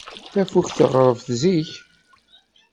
Tafukt tɣerreb zik.